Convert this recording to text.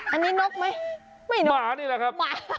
อันนี้นกไหมไม่นกหมานี่แหละครับหมา